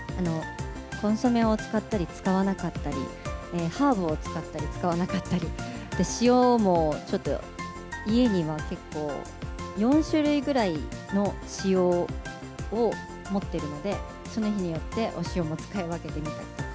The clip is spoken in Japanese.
コンソメを使ったり使わなかったり、ハーブを使ったり使わなかったり、塩もちょっと、家には結構、４種類ぐらいの塩を持ってるので、その日によってお塩も使い分けてみたりとか。